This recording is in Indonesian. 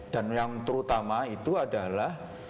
dan yang terutama itu adalah